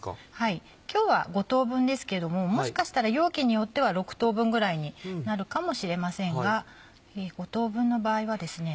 今日は５等分ですけれどももしかしたら容器によっては６等分ぐらいになるかもしれませんが５等分の場合はですね